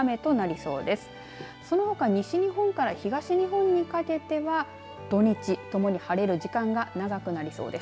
そのほか西日本から東日本にかけては土日ともに晴れる時間が長くなりそうです。